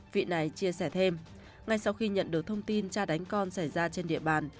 vị này chia sẻ thêm ngay sau khi nhận được thông tin cha đánh con xảy ra trên địa bàn